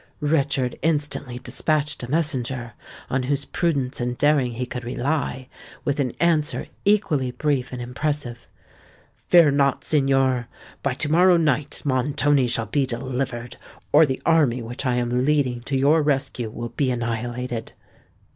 Richard instantly despatched a messenger, on whose prudence and daring he could rely, with an answer equally brief and impressive:— "Fear not, signor! By to morrow night Montoni shall be delivered, or the army which I am leading to your rescue will be annihilated.